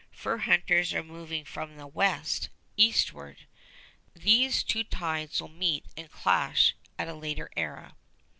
Fur hunters are moving from the west, eastward. These two tides will meet and clash at a later era.